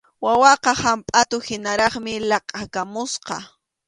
Wawaqa hampʼatuhinaraqmi laqʼakamusqa.